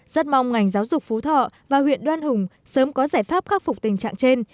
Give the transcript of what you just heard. rất mong ngành giáo dục phú thọ và huyện đoan hùng sớm có giải pháp khắc phục tình trạng trên